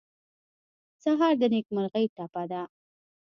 سهار د نېکمرغۍ ټپه ده.